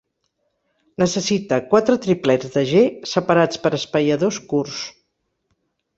Necessita quatre triplets de G, separats per espaiadors curts.